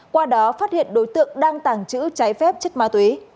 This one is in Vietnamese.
qua đó phát hiện đối tượng đang tàng trữ trái phép chất ma túy